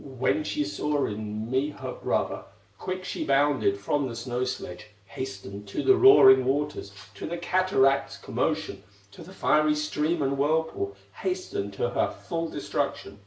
When she saw in me her brother, Quick she bounded from the snow sledge, Hastened to the roaring waters, To the cataract's commotion, To the fiery stream and whirlpool, Hastened to her full destruction.